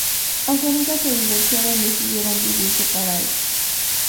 Aunque nunca se divorciaron, decidieron vivir separados.